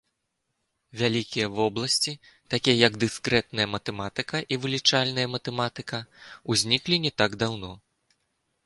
Вялікія вобласці, такія як дыскрэтная матэматыка і вылічальная матэматыка, узніклі не так даўно.